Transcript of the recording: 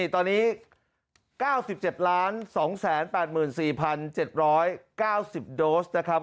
ตอนนี้๙๗๒๘๔๗๙๐โดสนะครับ